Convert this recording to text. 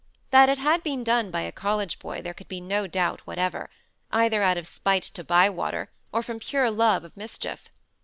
That it had been done by a college boy there could be no doubt whatever; either out of spite to Bywater, or from pure love of mischief.